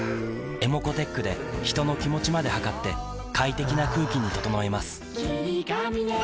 ｅｍｏｃｏーｔｅｃｈで人の気持ちまで測って快適な空気に整えます